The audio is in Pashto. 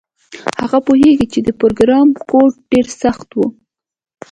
هغه پوهیږي چې د پروګرام کوډ ډیر سخت وي